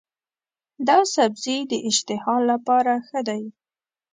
دا سبزی د اشتها لپاره ښه دی.